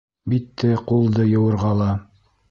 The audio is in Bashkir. Битте, ҡулды йыуырға ла.